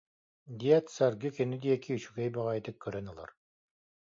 диэт, Саргы кини диэки үчүгэй баҕайытык көрөн ылар